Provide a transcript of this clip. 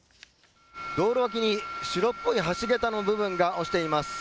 道路脇に白っぽい橋桁の部分が落ちています。